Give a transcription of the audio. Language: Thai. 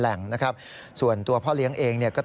แล้วก็ลุกลามไปยังตัวผู้ตายจนถูกไฟคลอกนะครับ